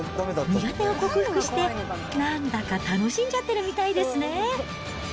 苦手を克服して、なんだか楽しんじゃってるみたいですね。